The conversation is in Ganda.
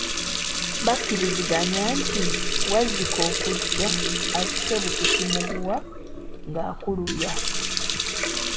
Bakkiriziganya nti Wazzike okujja asikebusisi muguwa ng’akulubya.